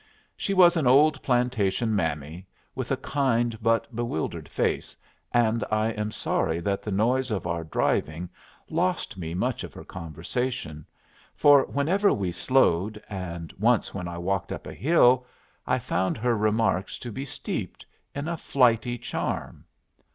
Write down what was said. She was an old plantation mammy, with a kind but bewildered face, and I am sorry that the noise of our driving lost me much of her conversation; for whenever we slowed, and once when I walked up a hill, I found her remarks to be steeped in a flighty charm.